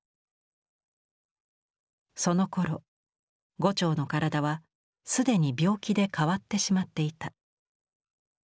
そのころ牛腸の体は既に病気で変わってしまっていた。